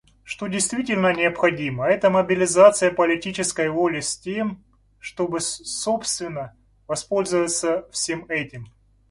Что действительно необходимо — это мобилизация политической воли с тем, чтобы, собственно, воспользоваться всем этим.